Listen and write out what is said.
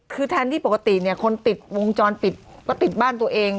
คือแทนที่ปกติเนี่ยคนติดวงจรปิดก็ติดบ้านตัวเอง